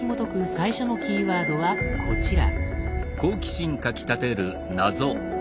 最初のキーワードはこちら。